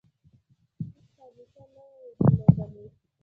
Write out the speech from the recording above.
هیڅ سابقه نه وه درلودلې.